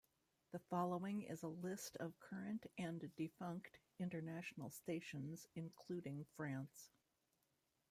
The following is a list of current and defunct international stations, including France.